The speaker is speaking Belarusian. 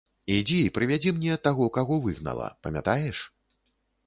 Ідзі і прывядзі мне таго, каго выгнала, памятаеш?